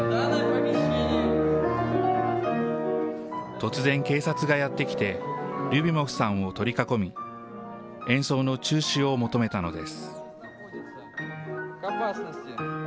突然、警察がやって来て、リュビモフさんを取り囲み、演奏の中止を求めたのです。